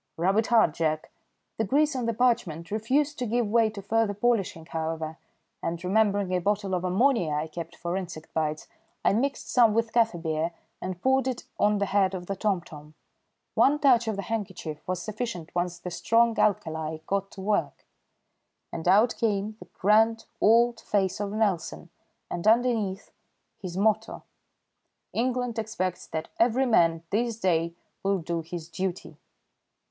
"Rub it hard, Jack." The grease on the parchment refused to give way to further polishing, however, and remembering a bottle of ammonia I kept for insect bites, I mixed some with kaffir beer and poured it on the head of the tomtom. One touch of the handkerchief was sufficient once the strong alkali got to work, and out came the grand old face of Nelson and underneath his motto: "England expects that every man this day will do his duty."